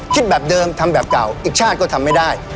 แบบเดิมทำแบบเก่าอีกชาติก็ทำไม่ได้